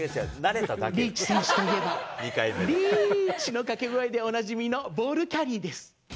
リーチ選手といえば、リーチの掛け声でおなじみのボールキャリーです。